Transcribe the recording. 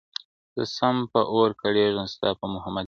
o زه سم پء اور کړېږم ستا په محبت شېرينې.